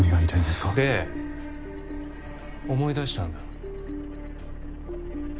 で思い出したんだ。